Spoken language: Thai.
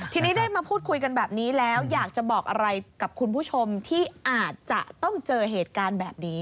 ทีนี้ได้มาพูดคุยกันแบบนี้แล้วอยากจะบอกอะไรกับคุณผู้ชมที่อาจจะต้องเจอเหตุการณ์แบบนี้